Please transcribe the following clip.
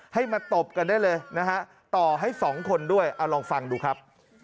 ให้มาตบกันได้เลยนะฮะต่อให้สองคนด้วยเอาลองฟังดูครับ